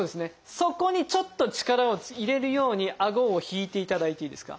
そこにちょっと力を入れるようにあごを引いていただいていいですか？